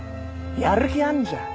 やる気あんじゃん。